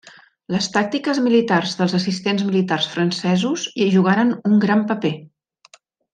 Les tàctiques militars dels assistents militars francesos hi jugaren un gran paper.